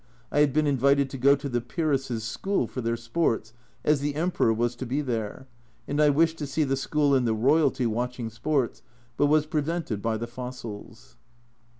I had been invited to go to the Peeresses School for their sports, as the Emperor was to be there, and I wished to see the school and the Royalty watching sports but was prevented by the fossils.